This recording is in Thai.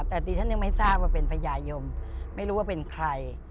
แต่ดิฉันยังไม่ทราบว่าเป็นพญายมไม่รู้ว่าเป็นใคร